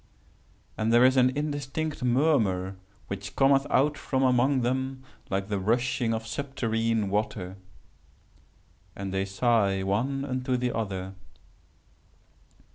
And there is an indistinct murmur which cometh out from among them like the rushing of subterrene water. And they sigh one unto the other.